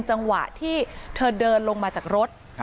จังหวะที่เธอเดินลงมาจากรถ